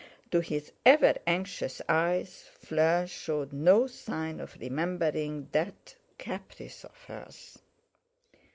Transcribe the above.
To his ever anxious eyes Fleur showed no signs of remembering that caprice of hers.